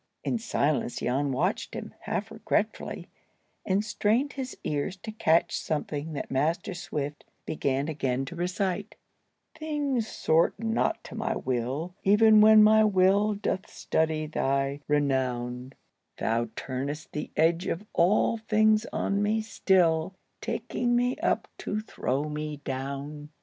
In silence Jan watched him, half regretfully, and strained his ears to catch something that Master Swift began again to recite:— "Things sort not to my will, Even when my will doth study Thy renown: Thou turn'st the edge of all things on me still, Taking me up to throw me down."